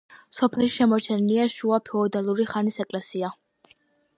სოფელში შემორჩენილია შუა ფეოდალური ხანის ეკლესია.